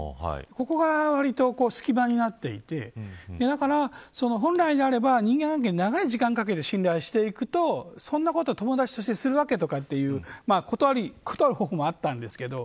ここがわりと隙間になっていてだから本来であれば人間関係長い時間をかけて信頼していくと、そんなこと友達としてするわけ、という断る方法もあったんですけど